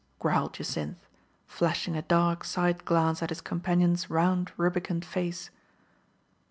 growled Jacynth, flashing a dark side glance at his companion's round rubi cund face.